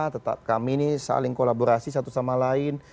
tetap kami ini saling kolaborasi satu sama lain